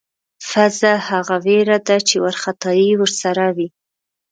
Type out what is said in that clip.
فذع هغه وېره ده چې وارخطایی ورسره وي.